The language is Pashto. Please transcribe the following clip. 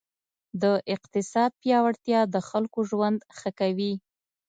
د اقتصاد پیاوړتیا د خلکو ژوند ښه کوي.